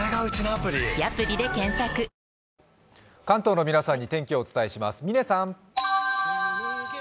関東の皆さんに天気をお伝えします。